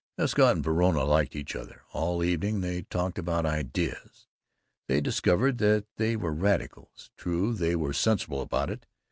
Escott and Verona liked each other. All evening they "talked about ideas." They discovered that they were Radicals. True, they were sensible about it.